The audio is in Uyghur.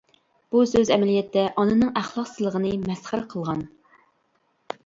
بۇ سۆز ئەمەلىيەتتە ئانىنىڭ ئەخلاقسىزلىقىنى مەسخىرە قىلغان.